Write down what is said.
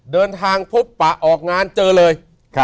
เดินทางพบปะออกงานเจอเลย